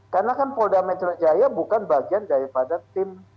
karena kan polda metro jaya bukan bagian daripada tim